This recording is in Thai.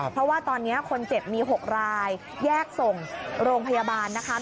เพราะว่าตอนนี้คนเจ็บมี๖รายแยกส่งโรงพยาบาลนะคะ